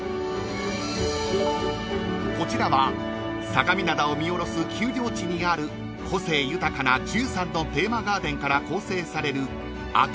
［こちらは相模灘を見下ろす丘陵地にある個性豊かな１３のテーマガーデンから構成される］